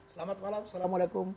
selamat malam assalamualaikum